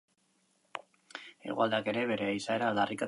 Hegoaldeak ere bere izaera aldarrikatzen du.